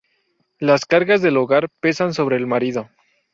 Las cargas del hogar pesan sobre el marido.